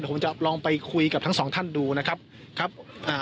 ผมจะลองไปคุยกับทั้งสองท่านดูนะครับครับอ่า